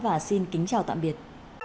và xin kính chào tạm biệt